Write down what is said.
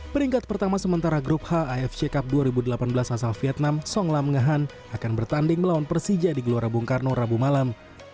peringkat pertama sementara grup h afc cup dua ribu delapan belas asal vietnam song lam ngehan akan bertanding melawan persija di gelora bung karno rabu malam